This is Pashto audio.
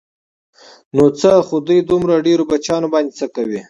نو څه خو دوی دومره ډېرو بچیانو باندې څه کوي.